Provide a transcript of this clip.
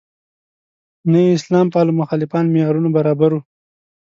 نه یې اسلام پاله مخالفان معیارونو برابر وو.